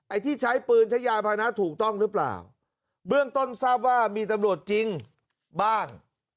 ที่ใช้ปืนใช้ยานพานะถูกต้องหรือเปล่าเบื้องต้นทราบว่ามีตำรวจจริงบ้าง